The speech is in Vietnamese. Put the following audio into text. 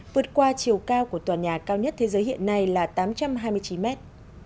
vượt qua chiều cao của tòa nhà cao nhất thế giới hiện nay là tám trăm hai mươi chín mét